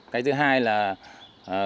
cái thứ hai là các phương tiện